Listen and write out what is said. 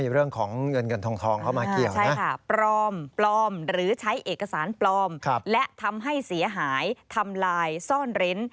เอกสารปลอมและทำให้เสียหายทำลายซ่อนเล็นด์